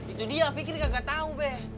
itu dia fikri enggak tahu be